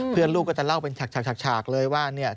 ลูกก็จะเล่าเป็นฉากเลยว่าเนี่ย